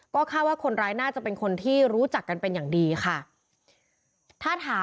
ก็คาดว่าคนร้ายน่าจะเป็นคนที่รู้จักกันเป็นอย่างดีค่ะ